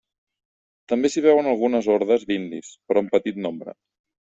També s'hi veuen algunes hordes d'indis, però en petit nombre.